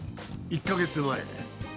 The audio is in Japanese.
１カ月前。